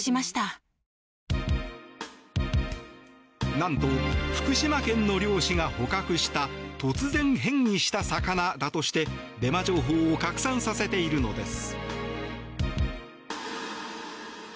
何と、福島県の漁師が捕獲した突然変異した魚だとしてデマ情報を拡散させているのです。